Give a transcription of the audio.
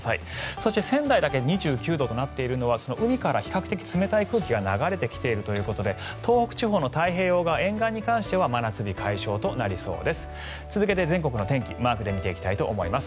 そして仙台だけ２９度となっているのは海から比較的冷たい空気が流れてきているということで東北地方の日本海側沿岸に関しては真夏日解消となりそうです。